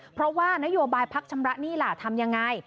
เพราะว่านโยบายพักชำระหนี้ล่ะทำยังไง